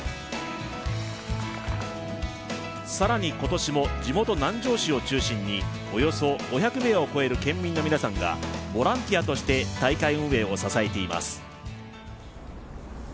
更に今年も地元・南城市を中心におよそ５００名を超える県民の皆さんがボランティアとして大会運営を支えています。